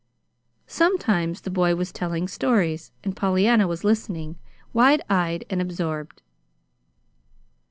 Sometimes the boy was telling stories, and Pollyanna was listening, wide eyed and absorbed.